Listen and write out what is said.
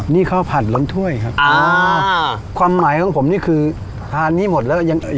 นี่ข้าวผัดล้นถ้วยครับอ่าความหมายของผมนี่คือทานนี้หมดแล้วยังเอ่อ